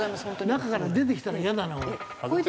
中から出てきたらイヤだなおい。